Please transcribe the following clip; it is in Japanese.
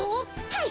はい！